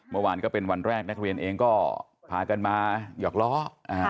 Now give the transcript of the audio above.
เมื่อวานก็เป็นวันแรกนักเรียนเองก็พากันมาหยอกล้อ